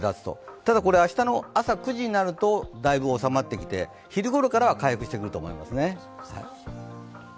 ただ、明日の朝９時になるとだいぶ収まってきて昼ごろからは回復してくると思いますね。